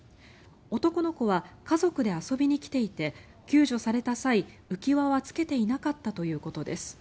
男の子は家族で遊びに来ていて救助された際浮輪はつけていなかったということです。